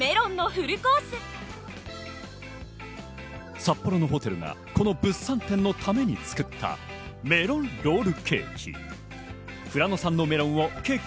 札幌のホテルがこの物産展のために作ったメロンロールケーキ。